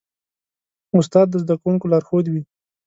استاد د زدهکوونکو لارښود وي.